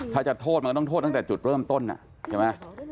ถ้าจะโทษมันต้องโทษตั้งแต่จุดเริ่มต้นใช่ไหม